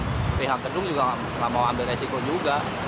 dan pihak gedung juga gak mau ambil resiko juga